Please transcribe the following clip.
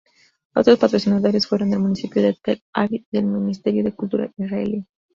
Otros patrocinadores fueron el Municipio de Tel Aviv y el Ministerio de Cultura israelí.